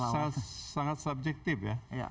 ya itu sebenarnya sangat subjektif ya